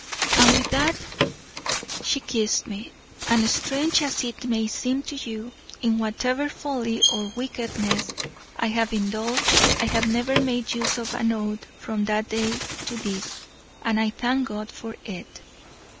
And with that she kissed me, and, strange as it may seem to you, in whatever folly or wickedness I have indulged, I have never made use of an oath from that day to this and I thank God for it."